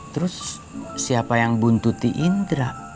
terus siapa yang buntuti indra